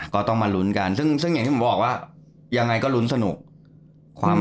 ก็ต้องมาลุ้นกันซึ่งอย่างที่ผมบอกว่ายังไงก็ลุ้นสนุกความ